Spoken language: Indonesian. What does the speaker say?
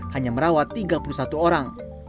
hanya merawat tiga puluh satu orang